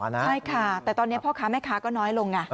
ใช่ค่ะแต่ตอนนี้พ่อค้าแม่ค้าก็น้อยลงไง